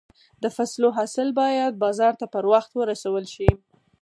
د فصلو حاصل باید بازار ته پر وخت ورسول شي.